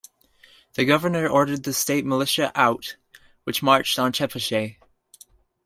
The governor ordered the state militia out, which marched on Chepachet.